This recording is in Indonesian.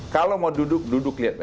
kalau mau duduk duduk liat lebeh